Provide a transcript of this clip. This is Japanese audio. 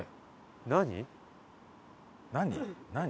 何？